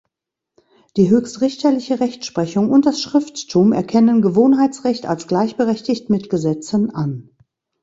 Die höchstrichterliche Rechtsprechung und das Schrifttum erkennen Gewohnheitsrecht als gleichberechtigt mit Gesetzen an.